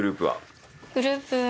グループは。